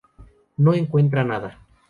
No encuentra nada.